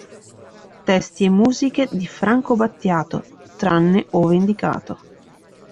Testi e musiche di Franco Battiato, tranne ove indicato.